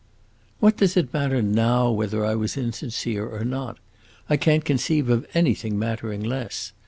"What does it matter now whether I was insincere or not? I can't conceive of anything mattering less.